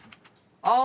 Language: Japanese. あ。